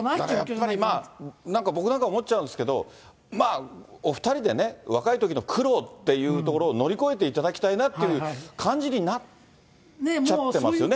だからやっぱり、僕なんか思っちゃうんですけど、お２人で若いときの苦労っていうところを乗り越えていただきたいなっていう感じになっちゃってますよね。